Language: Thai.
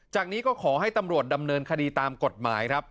จากนี้ก็ขอให้ตำรวจดำเนินคดีตามกฎหมายครับ